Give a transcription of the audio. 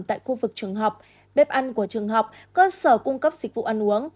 tại khu vực trường học bếp ăn của trường học cơ sở cung cấp dịch vụ ăn uống